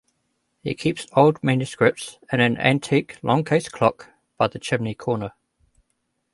He keeps old manuscripts in an antique longcase clock by the chimney-corner.